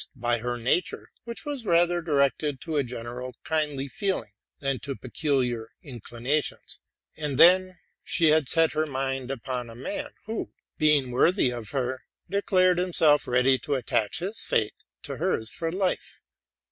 by her nature, which was rather directed to a general kindly feeling than to particular inclinations ; and then, she had set her mind upon a man, who, being worthy of her, de clared himself ready to attach his fate to hers for life.